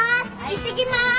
いってきます。